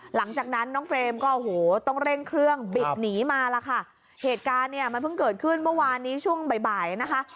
หลังจากนั้นน้องเฟรมก็โอ้โหต้องเร่งเครื่องบิดหนีมาล่ะค่ะเหตุการณ์เนี่ยมันเพิ่งเกิดขึ้นเมื่อวานนี้ช่วงบ่ายบ่ายนะคะ